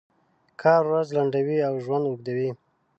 کار ورځ لنډوي او ژوند اوږدوي.